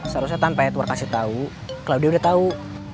seharusnya tanpa edward kasih tau claudia udah tau